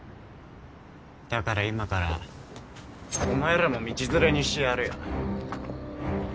だから今からお前らも道連れにしてやるよ。